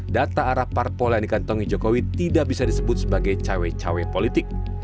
data arah parpol yang dikantongi jokowi tidak bisa disebut sebagai cawe cawe politik